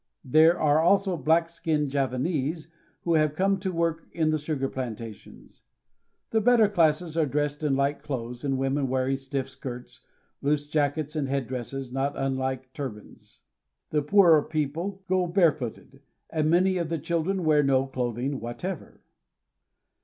There are also black skinned Javanese who have come to work in the sugar plantations. The better classes are dressed in light clothes, the women wearing stiff skirts, loose jackets, and head dresses not unlike turbans. The poorer people go barefooted, and many of the children wear no clothing whatever.